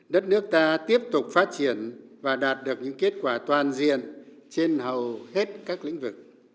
đất nước ta tiếp tục phát triển và đạt được những kết quả toàn diện trên hầu hết các lĩnh vực